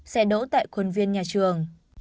xe đỗ tại khuôn viên nhà trường